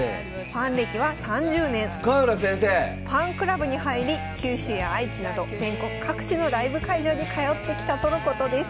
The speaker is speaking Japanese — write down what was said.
ファンクラブに入り九州や愛知など全国各地のライブ会場に通ってきたとのことです。